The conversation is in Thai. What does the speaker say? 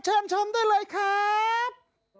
เชิญชมได้เลยครับ